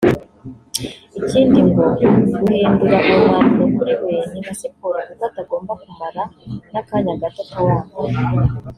ikindi ngo guhindura uwo mwambaro kuri we ni nka siporo kuko atagomba kumara n’akanya gato atawambaye